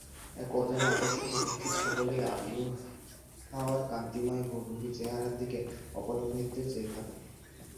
এক অজানা আকর্ষণে উপস্থিত সকলেই ইউহাওয়ার কান্তিময় হুররূপী চেহারার দিকে অপলক নেত্রে চেয়ে থাকে।